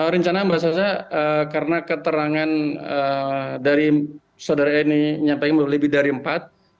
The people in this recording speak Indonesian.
rencana mbak sasa karena keterangan dari saudari e ini nyampaikan lebih dari empat